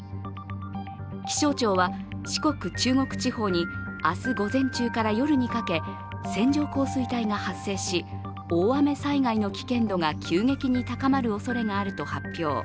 気象庁は四国・中国地方に明日午前中から夜にかけ線状降水帯が発生し大雨災害の危険度が急激に高まるおそれがあると発表。